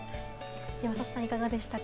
山里さん、いかがですか？